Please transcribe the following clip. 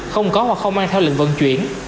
không có hoặc không mang theo lệnh vận chuyển